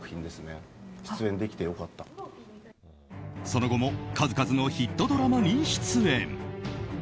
その後も数々のヒットドラマに出演。